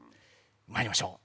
まいりましょう。